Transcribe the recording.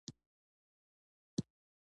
زه د ډرامې هنرمندان خوښوم.